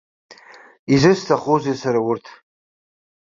Изысҭахузеи сара урҭ?